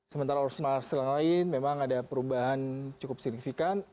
sementara ormas yang lain memang ada perubahan cukup signifikan